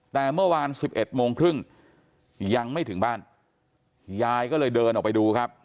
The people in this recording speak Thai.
แต่เมื่อวาน๑๑โมงครึ่งยังไม่ถึงบ้านยายก็เลยเดินออกไปดูครับ